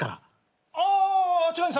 あ違います。